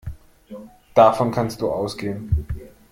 Davon kannst du ausgehen.